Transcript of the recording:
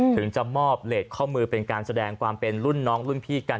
ถึงจะมอบเลสข้อมือเป็นการแสดงความเป็นรุ่นน้องรุ่นพี่กัน